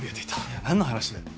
何の話だよ？